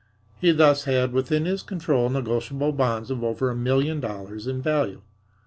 He thus had within his control negotiable bonds of over a million dollars in value.